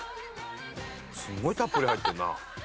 すごいたっぷり入ってるな。